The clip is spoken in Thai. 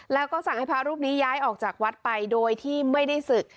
แล้วก็สั่งให้พระรูปนี้ย้ายออกจากวัดไปโดยที่ไม่ได้ศึก